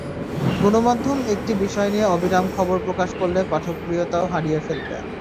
গণমাধ্যম একটি বিষয় নিয়ে অবিরাম খবর প্রকাশ করলে পাঠকপ্রিয়তাও হারিয়ে ফেলবে।